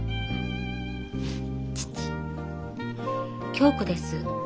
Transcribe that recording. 響子です。